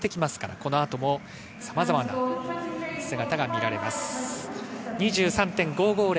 このあともさまざまな姿が見られます。２３．５５０。